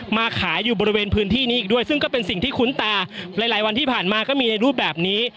มาขายอยู่บริเวณพื้นที่นี้อีกด้วยซึ่งก็เป็นสิ่งที่คุ้นตาหลายหลายวันที่ผ่านมาก็มีในรูปแบบนี้